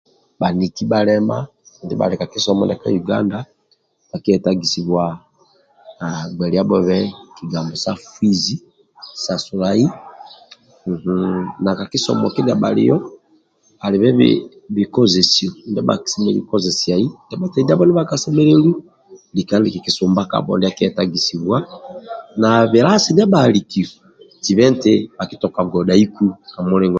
Baniki bhaleman ndibha bhali ka kisomo sa uganda bhakietagisibwa gbeliabhobe kigambo sa sukulu fizi sasulai na ka kisomo kindia bhalio alibe bikozesio ndia bhasemelelu kozesai nesi bhataidabho ndia bhakasemelelu lika ni kikisumba kabho ndia kietagisibwa na bilasi ndia bha alikio zibe eti bhakisobola godhaiku kamulingo